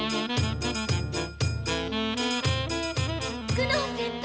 九能先輩！